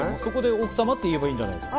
奥様って言えばいいじゃないですか。